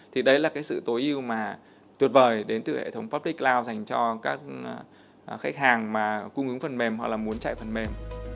thì đấy là cái sự tối ưu mà tuyệt vời đến từ hệ thống public cloud dành cho các khách hàng mà cung ứng phần mềm hoặc là muốn chạy phần mềm